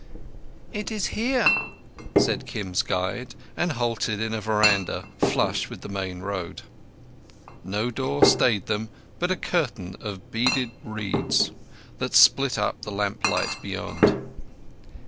"It is here," said Kim's guide, and halted in a veranda flush with the main road. No door stayed them, but a curtain of beaded reeds that split up the lamplight beyond.